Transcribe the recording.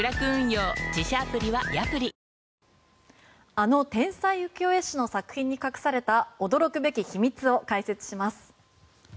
あの天才浮世絵師の作品に隠された驚くべき秘密を解説します。